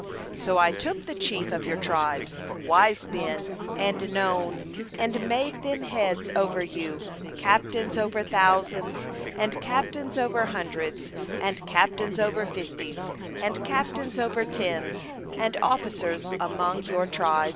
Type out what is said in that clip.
15So I took the heads of your tribes, wise men, and full of knowledge, and made them heads over you, captains of thousands, and captains of hundreds, and captains of fifties, and captains of tens, and officers, tribe by tribe.